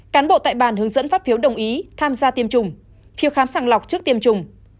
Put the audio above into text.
cán bộ tại bàn hướng dẫn phát phiếu đồng ý tham gia tiêm chủng khám sàng lọc trước tiêm chủng